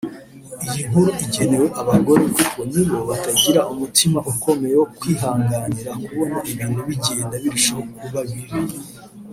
Iyi nkuru igenewe abagore kuko nibo batagira umutima ukomeye wo kwihanganira kubona ibintu bigenda birushaho kuba bibi